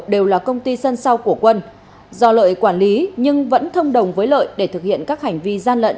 đều là công ty sân sau của quân do lợi quản lý nhưng vẫn thông đồng với lợi để thực hiện các hành vi gian lận